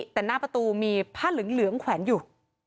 แต่หน้าประตูมีผ้าเหลืองแขวนอยู่